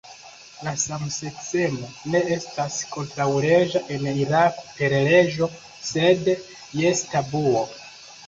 La samseksemo ne estas kontraŭleĝa en Irako per leĝo, sed jes tabuo.